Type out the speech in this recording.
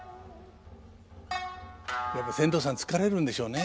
やっぱり船頭さん疲れるんでしょうね。